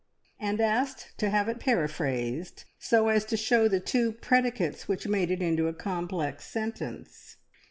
and asked to have it paraphrased so as to show the two predicates which made it into a complex sentence.